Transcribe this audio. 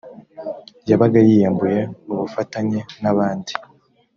yabaga yiyambuye ubufatanye n’abandi